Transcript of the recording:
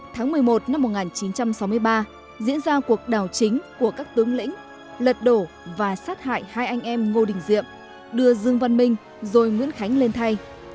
tháng một mươi một năm một nghìn chín trăm sáu mươi ba diễn ra cuộc đảo chính của các tướng lĩnh lật đổ và sát hại hai anh em ngô đình diệm đưa dương văn minh rồi nguyễn khánh lên thay